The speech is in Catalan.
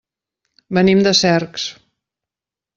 Venim de Cercs.